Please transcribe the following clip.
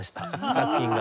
作品が。